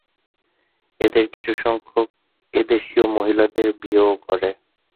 এদের কিছুসংখ্যক এদেশীয় মহিলাদের বিয়েও করে।